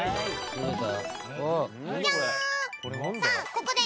どうぞ。